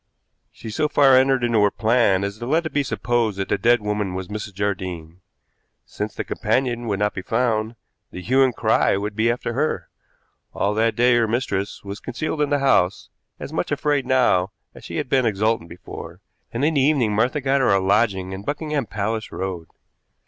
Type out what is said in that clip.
She so far entered into her plan as to let it be supposed that the dead woman was Mrs. Jardine. Since the companion would not be found, the hue and cry would be after her. All that day her mistress was concealed in the house, as much afraid now as she had been exultant before, and in the evening Martha got her a lodging in Buckingham Palace Road.